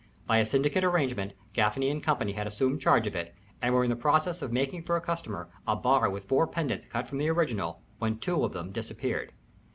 By a syndicate arrangement Gaffany & Co. had assumed charge of it, and were in the process of making for a customer a bar with four pendants cut from the original, when two of them disappeared.